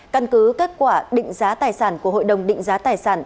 căn cứ kết quả định giá tài sản của hội đồng định giá tài sản